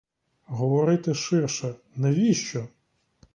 Говорити ширше — навіщо?